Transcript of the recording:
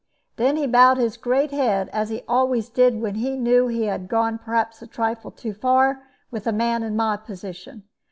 Then he bowed his great head, as he always did when he knew he had gone perhaps a trifle too far with a man in my position.